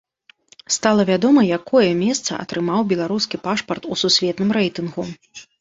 Стала вядома, якое месца атрымаў беларускі пашпарт у сусветным рэйтынгу.